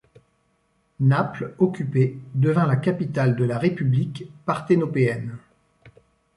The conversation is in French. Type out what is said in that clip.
Naples, occupée, devint la capitale de la République parthénopéenne.